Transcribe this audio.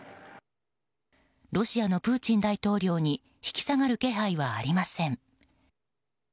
ロシアのプーチン大統領に引き下がる気配はありません。